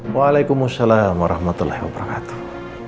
waalaikumsalam warahmatullahi wabarakatuh